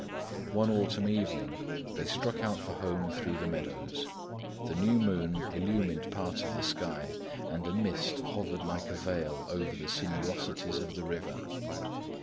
One autumn evening, they struck out for home through the meadows. The new moon illumined part of the sky and a mist hovered like a veil over the sinuosities of the river.